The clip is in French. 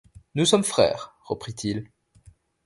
Nous sommes frères, reprit-il.